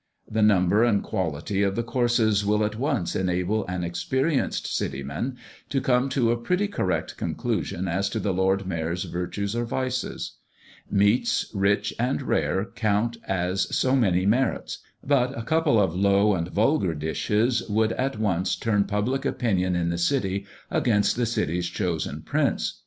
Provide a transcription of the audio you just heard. The number and quality of the courses will at once enable an experienced city man to come to a pretty correct conclusion as to the Lord Mayor's virtues or vices. Meats rich and rare count as so many merits; but a couple of low and vulgar dishes would at once turn public opinion in the City against the City's chosen prince.